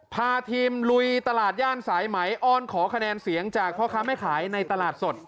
พาทีมลุยตลาดย่านสายไหมอ้อนขอคะแนนเสียงจากพ่อค้าแม่ขายในตลาดสด